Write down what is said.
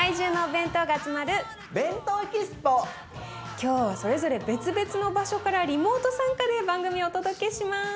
今日はそれぞれ別々の場所からリモート参加で番組お届けします。